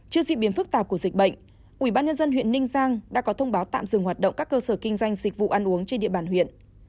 trước diễn biến phức tạp của dịch bệnh ubnd huyện ninh giang đã có thông báo tạm dừng hoạt động các cơ sở kinh doanh dịch vụ ăn uống trên địa bàn huyện